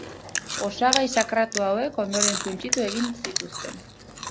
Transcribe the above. Osagai sakratu hauek ondoren suntsitu egin zituzten.